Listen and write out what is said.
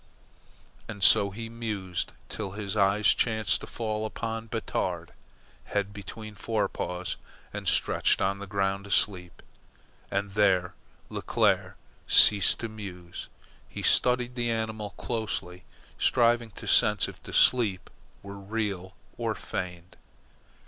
And so he mused, till his eyes chanced to fall upon Batard, head between fore paws and stretched on the ground asleep. And their Leclere ceased to muse. He studied the animal closely, striving to sense if the sleep were real or feigned.